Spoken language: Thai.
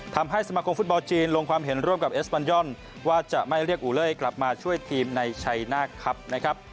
ทำให้สมาคมฟุตเบาจีนลงความเห็นร่วมกับเอสปานยอลว่าจะไม่เรียกอุเล่ยกลับมาช่วยทีมในชัยหน้าครับ